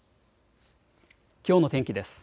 きょうの天気です。